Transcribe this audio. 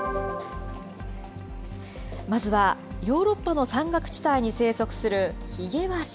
まずはヨーロッパの山岳地帯に生息するヒゲワシ。